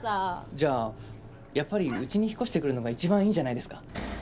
じゃあやっぱりうちに引っ越してくるのが一番いいんじゃないですか？